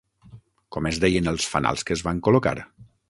Com es deien els fanals que es van col·locar?